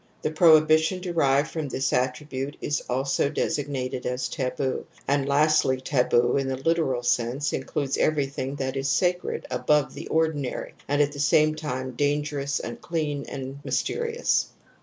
The prohibition derived from this attribute is also designated as taboo, and lastly taboo, in the literal sense, ' includes everything that is sacred, above the ordinary, and at the same time dangerous, unclean and mysterious.